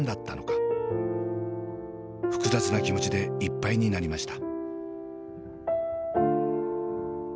複雑な気持ちでいっぱいになりました。